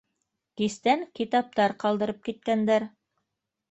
— Кистән китаптар ҡалдырып киткәндәр